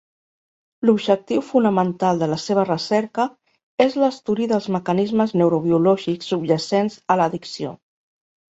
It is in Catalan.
L'objectiu fonamental de la seva recerca és l'estudi dels mecanismes neurobiològics subjacents a l'addicció.